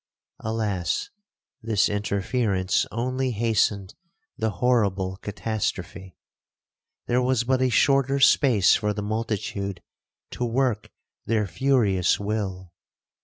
'Alas! this interference only hastened the horrible catastrophe. There was but a shorter space for the multitude to work their furious will.